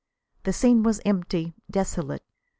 The scene was empty, desolate.